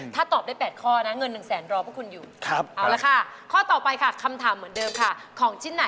และของที่จะมาให้เลือกมาค่ะ